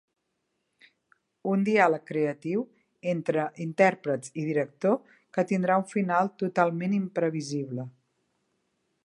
Un diàleg creatiu entre intèrprets i director que tindrà un final totalment imprevisible.